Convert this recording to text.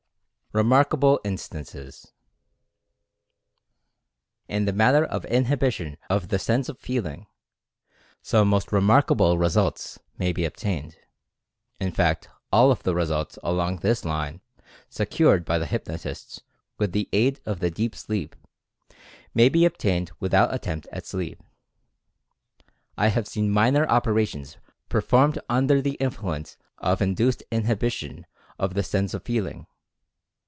REMARKABLE INSTANCES. In the matter of inhibition of the sense of Feeling, some most remarkable results may be obtained — in fact all of the results along this line secured by the Experiments in Induced Sensation 119 hypnotists with the aid of the "deep sleep," may be obtained without attempt at sleep. I have seen minor operations performed under the influence of induced inhibition of the sense of feeling.